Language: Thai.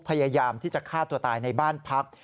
พยายามที่จะฆ่าตัวตายในบ้านพัก